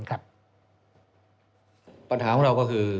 ปัญหาของเราก็คือ